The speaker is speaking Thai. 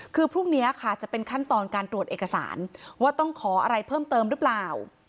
คือพรุ่งนี้ค่ะจะเป็นขั้นตอนการตรวจเอกสารว่าต้องขออะไรเพิ่มเติมหรือเปล่า